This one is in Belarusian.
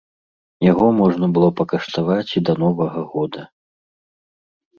Яго можна было пакаштаваць і да новага года.